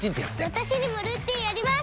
私にもルーティンあります！